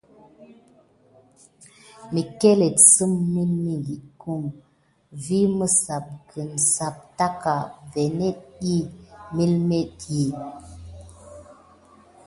Məckéléte sim milmiŋɠuit mə vi məssapgəne sap taka vanéne ɗyi méɓɓétti.